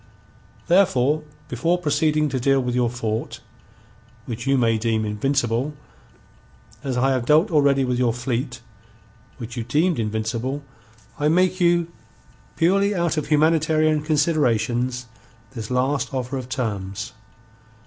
Therefore before proceeding to deal with your fort, which you may deem invincible, as I have dealt already with your fleet, which you deemed invincible, I make you, purely out of humanitarian considerations, this last offer of terms.